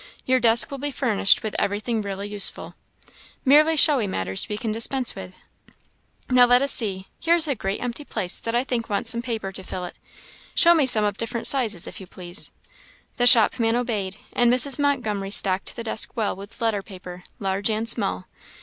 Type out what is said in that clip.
Your desk will be furnished with everything really useful. Merely showy matters we can dispense with. Now let us see here is a great empty place that I think wants some paper to fill it. Show me some of different sizes, if you please." The shopman obeyed, and Mrs. Montgomery stocked the desk well with letter paper, large and small.